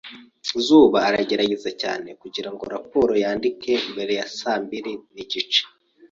Zuba aragerageza cyane kugirango raporo yandike mbere ya saa mbiri nigice.